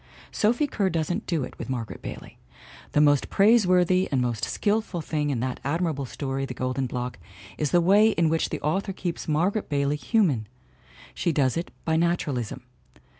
Sophie Kerr doesn't do it with Margaret Bailey; the most praiseworthy and most skillful thing in that admirable story The Golden Block is the way in which the author keeps Margaret Bailey human. She does it by naturalism.